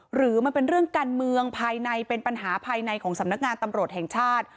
หรือมันเป็นเรื่องการเมืองภายในเป็นปัญหาภายในของสำนักงานตำรวจแห่งชาติ